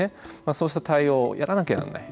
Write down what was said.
そうした対応をやらなきゃならない。